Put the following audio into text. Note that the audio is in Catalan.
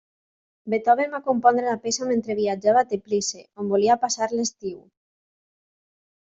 Beethoven va compondre la peça mentre viatjava a Teplice, on volia passar l'estiu.